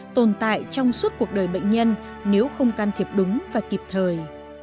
tồn tại trong suốt cuộc đời bệnh nhân nếu không can thiệp đúng và kịp thời